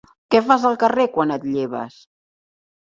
Què fas al carrer quan et lleves?